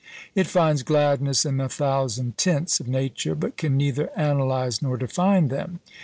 It finds gladness in the "thousand tints" of nature, but can neither analyse nor define them.